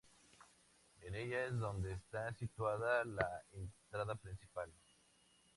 En ella es donde está situada la entrada principal.